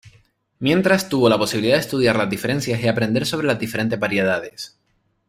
Mientras tuvo la posibilidad de estudiar las diferencias y aprender sobre las diferentes variedades.